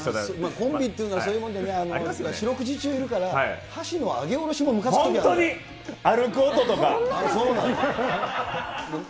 コンビっていうのはそういうもんでね、四六時中いるから、箸の上げ下ろしもむかつくときあ